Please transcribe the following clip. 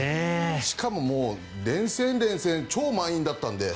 しかも、連戦、連戦超満員だったので。